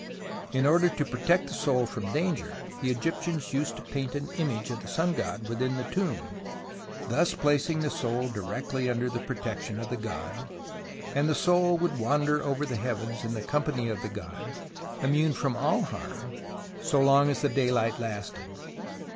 In order to protect the soul from danger, the Egyptians used to paint an image of the Sun God within the tomb, thus placing the soul directly under the protection of the god, and the soul would wander over the heavens in the company of the god, immune from all harm, so long as the daylight lasted.